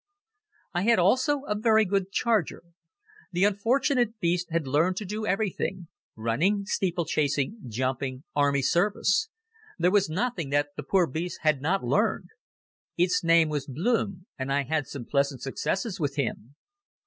I had also a very good charger. The unfortunate beast had learned to do everything running, steeplechasing, jumping, army service. There was nothing that the poor beast had not learned. Its name was Blume and I had some pleasant successes with him.